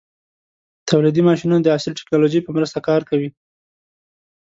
تولیدي ماشینونه د عصري ټېکنالوژۍ په مرسته کار کوي.